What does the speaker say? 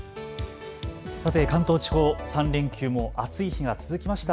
さて関東地方、３連休も暑い日が続きました。